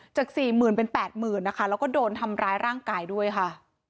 จาก๔๐๐๐เป็น๘๐๐๐นะคะแล้วก็โดนทำร้ายร่างกายด้วยค่ะ